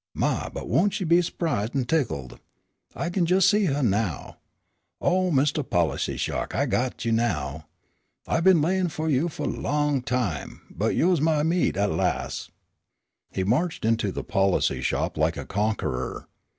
My, but won't she be su'prised an' tickled. I kin jes' see huh now. Oh, mistah policy sha'k, I got you now. I been layin' fu' you fu' a long time, but you's my meat at las'." He marched into the policy shop like a conqueror.